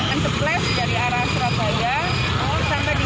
enterplast dari arah surabaya